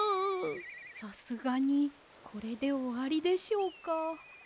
さすがにこれでおわりでしょうか。